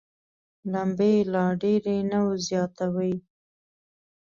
لمبې یې لا ډېرې نه وزياتوي.